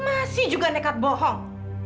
masih juga nekat bohong